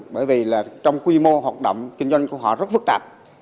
bởi vì là trong quy mô hoạt động kinh doanh của họ rất phức tạp